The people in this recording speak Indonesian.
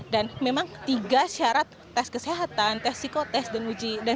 dan memang tiga syarat tes kesehatan tes psikotest dan sertifikasi uji kompetensi ini sendiri merupakan